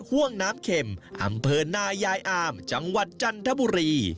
ห่วงน้ำเข็มอำเภอนายายอามจังหวัดจันทบุรี